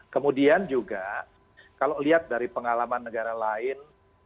kemudian juga kalau lihat dari pengalaman negara lain